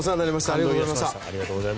ありがとうございます。